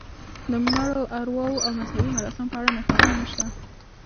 د مړو ارواوو او مذهبي مراسمو په اړه نښانې نشته.